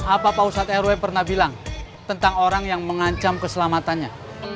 apa pak ustadz rw pernah bilang tentang orang yang mengancam keselamatannya